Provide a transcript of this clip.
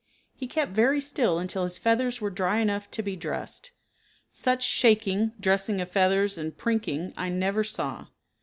He kept very still until his feathers were dry enough to be dressed. Such shaking, dressing of feathers, and prinking I never saw.